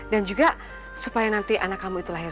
dan juga supaya nanti anak kamu itu lahir